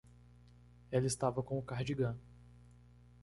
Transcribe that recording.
Ela estava com o cardigã.